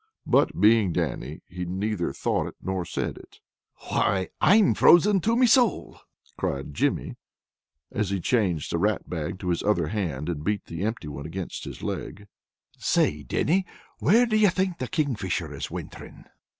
But being Dannie, he neither thought nor said it. '"Why, I'm frozen to me sowl!" cried Jimmy, as he changed the rat bag to his other hand, and beat the empty one against his leg. "Say, Dannie, where do you think the Kingfisher is wintering?"